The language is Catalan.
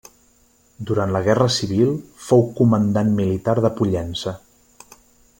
Durant la Guerra Civil, fou comandant militar de Pollença.